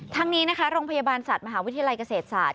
ทั้งนี้นะคะโรงพยาบาลสัตว์มหาวิทยาลัยเกษตรศาสต